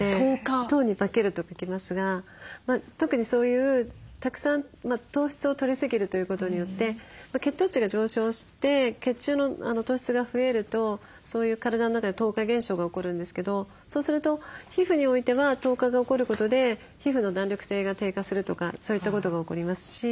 糖に化けると書きますが特にそういうたくさん糖質をとりすぎるということによって血糖値が上昇して血中の糖質が増えるとそういう体の中で糖化現象が起こるんですけどそうすると皮膚においては糖化が起こることで皮膚の弾力性が低下するとかそういったことが起こりますし。